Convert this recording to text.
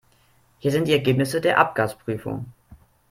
Hier sind die Ergebnisse der Abgasprüfung.